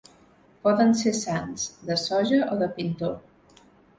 Poden ser sants, de soja o de pintor.